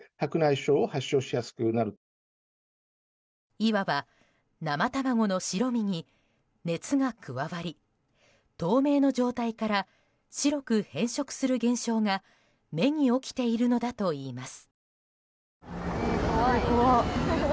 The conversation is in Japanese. いわば生卵の白身に熱が加わり透明の状態から白く変色する現象が目に起きているのだといいます。